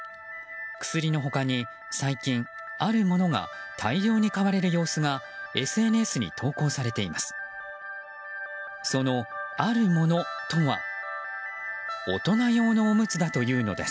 薬の他に最近、あるものが大量に買われる様子がＳＮＳに投稿されています。